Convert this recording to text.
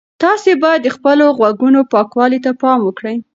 تاسي باید د خپلو غوږونو پاکوالي ته پام وکړئ.